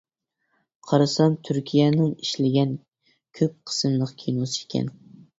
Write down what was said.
قارىسام تۈركىيەنىڭ ئىشلىگەن كۆپ قىسىملىق كىنوسى ئىكەن.